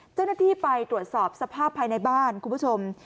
เจ้าหน้าที่ไปตรวจสอบสภาพภายในบ้านคุณผู้ชม